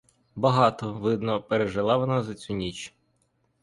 Багато, видно, пережила вона за цю ніч.